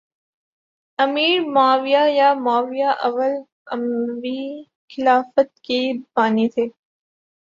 امیر معاویہ یا معاویہ اول اموی خلافت کے بانی تھے